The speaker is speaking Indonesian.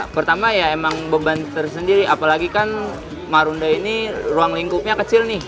pertama ya emang beban tersendiri apalagi kan marunda ini ruang lingkupnya kecil nih